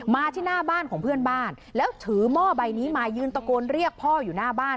มาที่หน้าบ้านของเพื่อนบ้านแล้วถือหม้อใบนี้มายืนตะโกนเรียกพ่ออยู่หน้าบ้าน